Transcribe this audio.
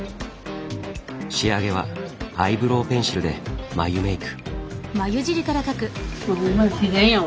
仕上げはアイブロウペンシルで眉メイク。